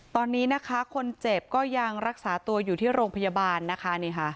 ตอนนี้นะคะคนเจ็บก็ยังรักษาตัวอยู่ที่โรงพยาบาลนะคะ